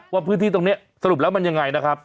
ว่าพื้นที่ตรงนี้สรุปแล้วมันยังไงนะครับ